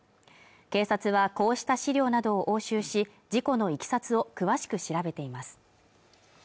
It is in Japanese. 警察はこうした資料などを押収し事故のいきさつを詳しく調べています